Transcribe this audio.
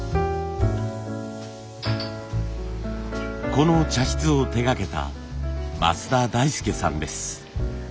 この茶室を手がけた益田大祐さんです。